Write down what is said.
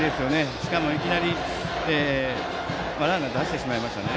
しかもいきなりランナー出してしまいましたから。